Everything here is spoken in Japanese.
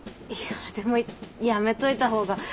いやでもやめといた方が。